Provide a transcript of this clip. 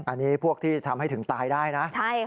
อันนี้พวกที่ทำให้ถึงตายได้นะ